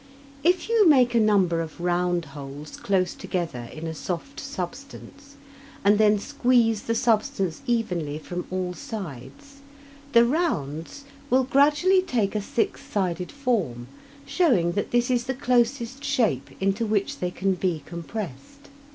If you make a number of round holes close together in a soft substance, and then squeeze the substance evenly from all sides, the rounds will gradually take a six sided form, showing that this is the closest shape into which they can be compressed.